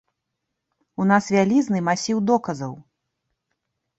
У нас вялізны масіў доказаў.